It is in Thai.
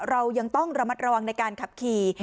เรายังต้องระมัดระวังในการขับขี่